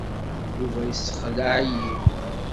Yuba yessexleɛ-iyi.